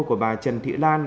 của bà trần thị lan